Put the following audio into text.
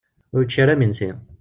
Ur yečči ara imensi.